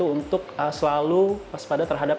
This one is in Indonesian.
untuk selalu pas pada terhadap